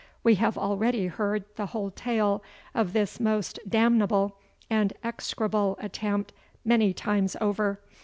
We have already heard the whole tale of this most damnable and execrable attempt many times over.